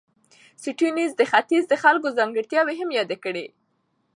سټيونز د ختیځ د خلکو ځانګړتیاوې هم یادې کړې.